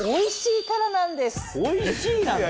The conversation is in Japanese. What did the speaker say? おいしいなんて。